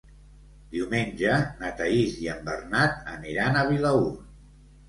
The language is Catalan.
Diumenge na Thaís i en Bernat aniran a Vilaür.